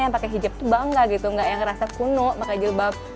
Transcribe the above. yang pakai hijab bangga gitu yang merasa kuno pakai jilbab